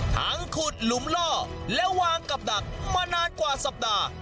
ขุดหลุมล่อและวางกับดักมานานกว่าสัปดาห์